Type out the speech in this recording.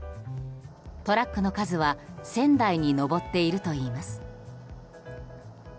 トラックの数は１０００台に上っているといいます。